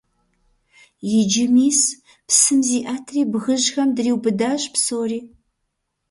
Иджы, мис, псым зиӀэтри, бгыжьхэм дриубыдащ псори.